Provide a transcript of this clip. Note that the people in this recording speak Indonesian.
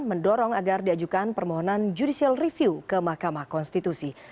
mendorong agar diajukan permohonan judicial review ke mahkamah konstitusi